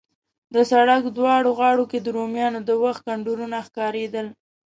د سړک دواړو غاړو کې د رومیانو د وخت کنډرونه ښکارېدل.